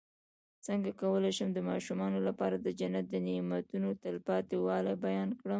څنګه کولی شم د ماشومانو لپاره د جنت د نعمتو تلپاتې والی بیان کړم